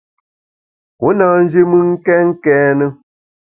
U na nji mùn kèn kène.